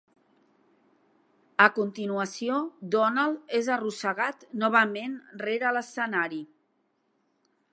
A continuació, Donald és arrossegat novament rere l'escenari.